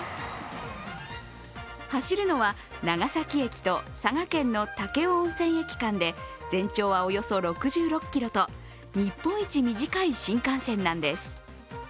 走るのは長崎駅と佐賀県の武雄温泉駅間で全長はおよそ６６ｋｍと日本一短い新幹線なんです。